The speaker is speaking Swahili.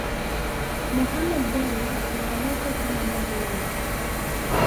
Mohammed Dewji maarufu kama Mo Dewji